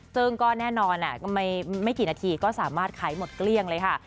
ซึ่งก็แน่นอนไม่กี่นาทีก็สามารถขายหมดเกลี้ยงเลยค่ะ